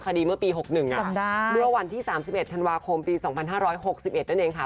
คดีเมื่อปี๖๑เมื่อวันที่๓๑ธันวาคมปี๒๕๖๑นั่นเองค่ะ